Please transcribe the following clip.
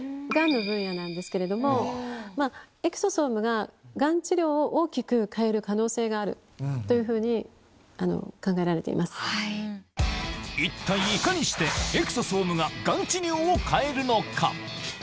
がんの分野なんですけれども、エクソソームが、がん治療を大きく変える可能性があるというふうに考えられていま一体いかにして、エクソソームががん治療を変えるのか。